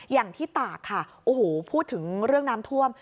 อย่างที่ตากค่ะพูดถึงเรื่องน้ำท่วม